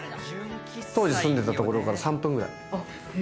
当時住んでたところから３分ぐらい。